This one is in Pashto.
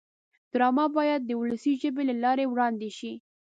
ډرامه باید د ولسي ژبې له لارې وړاندې شي